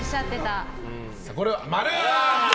これは、○！